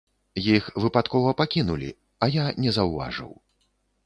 Іх выпадкова пакінулі, а я не заўважыў.